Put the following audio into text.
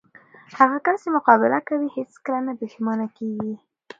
هغه کس چې مقابله کوي، هیڅ کله نه پښېمانه کېږي.